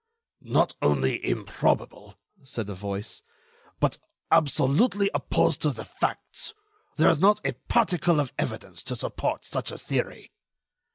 "Not only improbable," said a voice, "but absolutely opposed to the facts. There is not a particle of evidence to support such a theory."